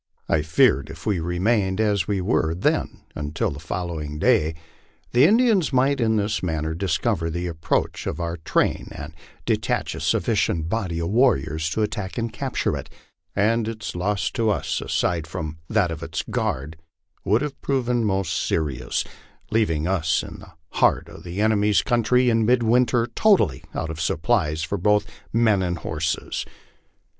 I feared if we re mained as we were then until the following day, the Indians might in this manner discover the approach of our train and detach a sufficient body of warriors to attack and capture it; and its loss to us, aside from that of its guard, would have proven most serious, leaving us in the heart of the enemy's country, in midwinter, totally out of supplies for both men and horses.